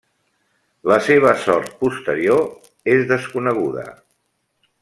La seva sort posterior és desconeguda.